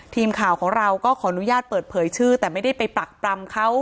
ทีมข่าวของเราก็ขออนุญาตเปิดเผยชื่อแต่ไม่ได้ไปปรักปรำเขา